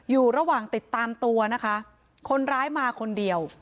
อยู่ระหว่างติดตามตัวนะคะคนร้ายมาคนเดียว